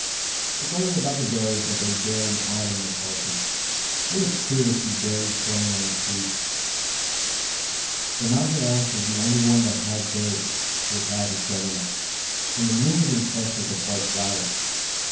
"It is only about the red berries that they bear in autumn, Miss Harson; it looks queer to see berries growing on a tree." "The mountain ash is the only one that has berries," replied his governess, "and the bloom is in clusters of white flowers.